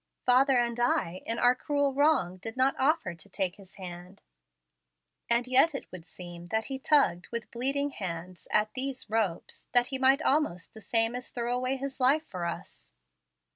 Father and I, in our cruel wrong, did not offer to take his hand. And yet it would seem that he tugged with bleeding hands at these ropes, that he might almost the same as throw away his life for us.